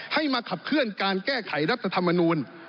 ให้มาขับเคลื่อนการแก้ไขรัฐธรรมนูล